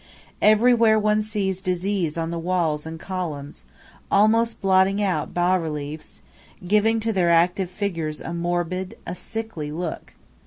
Everywhere one sees disease on the walls and columns, almost blotting out bas reliefs, giving to their active figures a morbid, a sickly look.